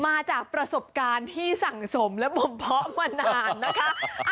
มาจากประสบการณ์ที่สั่งสมและบ่มเพาะมานานนะคะ